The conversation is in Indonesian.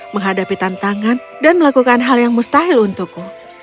menghadapi tantangan dan melakukan hal yang mustahil untukku